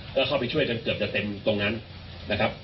ก็เข้าไปช่วยกันเกือบจะเต็มตรงนั้นนะครับ